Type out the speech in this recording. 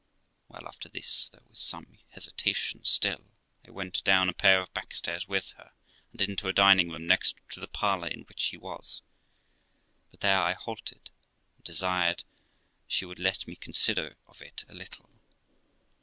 Well, after this, though with some hesitation still, I went down a pair of back stairs with her, and into a dining room, next to the parlour in which he was; but there I halted, and desired she would let me consider of it a little.